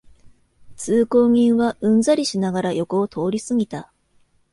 通行人はうんざりしながら横を通りすぎた